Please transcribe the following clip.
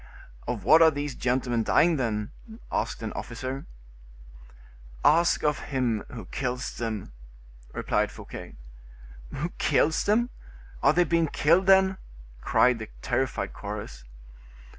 "Of what are these gentlemen dying, then?" asked an officer. "Ask of him who kills them," replied Fouquet. "Who kills them? Are they being killed, then?" cried the terrified chorus.